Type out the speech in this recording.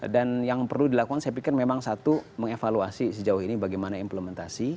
dan yang perlu dilakukan saya pikirkan memang satu mengevaluasi sejauh ini bagaimana implementasi